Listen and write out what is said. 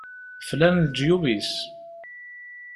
Flan leǧyub-is.